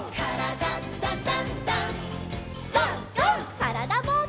からだぼうけん。